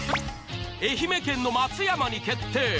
愛媛県の松山に決定。